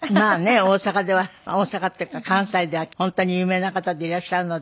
大阪では大阪っていうか関西では本当に有名な方でいらっしゃるので。